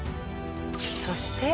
そして。